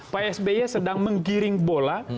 psby sedang menggiring bola